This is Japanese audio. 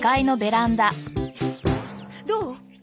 どう？